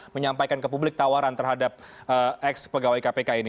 menyampaikan ke publik tawaran terhadap ex pegawai kpk ini